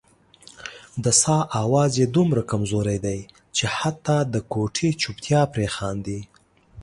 د ساه اواز یې دومره کمزوری دی چې حتا د کوټې چوپتیا پرې خاندي.